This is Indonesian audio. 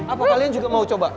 apa kalian juga mau coba